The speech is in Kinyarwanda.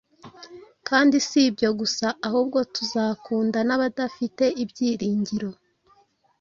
Kandi s’ibyo gusa, ahubwo tuzakunda n’abadafite ibyiringiro